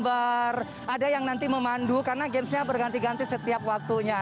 ada yang memandu karena games nya berganti ganti setiap waktunya